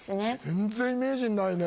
全然イメージにないね